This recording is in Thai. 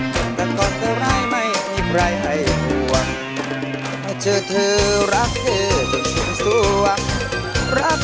คุณสร้างสร้างเป็นแบบนี้กว่ากัน